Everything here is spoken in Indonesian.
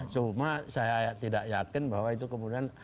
cuma saya tidak yakin bahwa itu kemudian